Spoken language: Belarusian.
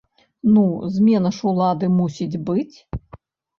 Ну, змена ж улады мусіць быць.